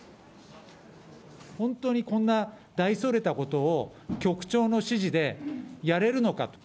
本当にこんな大それたことを、局長の指示でやれるのかと。